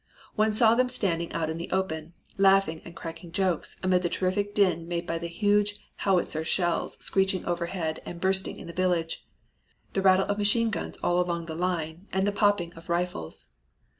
One saw them standing out in the open, laughing and cracking jokes amid the terrific din made by the huge howitzer shells screeching overhead and bursting in the village, the rattle of machine guns all along the line, and the popping of rifles.